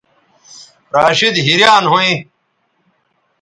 راشدحیریان ھویں